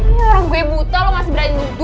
ini orang gue buta lo masih berani nunggu